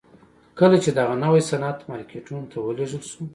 کله چې دغه نوی صنعت مارکیټونو ته ولېږل شو